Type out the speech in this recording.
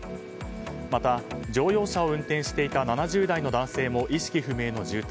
また、乗用車を運転していた７０代の男性も意識不明の重体。